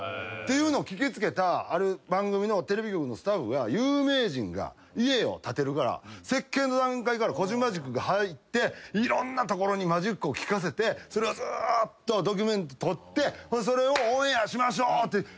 っていうのを聞き付けたある番組のテレビ局のスタッフが有名人が家を建てるから設計の段階からコジマジックが入っていろんなところにマジックを効かせてそれをずっとドキュメント撮ってそれをオンエアしましょうって。